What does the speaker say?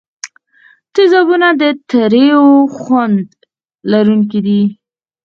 تیزابونه د تریو خوند لرونکي دي.